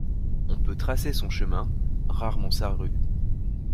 On peut tracer son chemin, rarement sa rue.